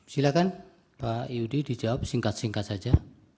silakan pak yudi dijawab singkat singkat saja